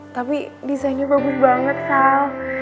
tapi desainnya bagus banget sal